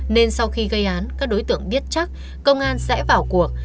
nên sau khi gây án các đối tượng biết chắc công an sẽ vào cuộc